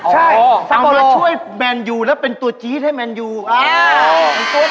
โอ้โฮสโกโลแบบช่วยแมนยูละเป็นตัวจี๊ดให้แมนยูล